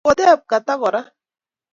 Koteb Kata kora